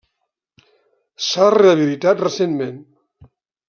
S'ha rehabilitat recentment.